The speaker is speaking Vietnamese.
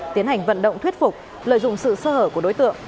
tiến hành vận động thuyết phục lợi dụng sự sơ hở của đối tượng